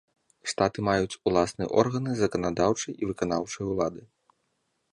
Штаты маюць уласныя органы заканадаўчай і выканаўчай улады.